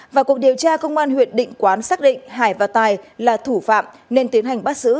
và cuộc điều tra công an huyện định quán xác định hải và tài là thủ phạm nên tiến hành bắt giữ